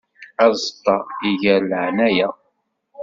Aẓeṭṭa iggar laɛnaya.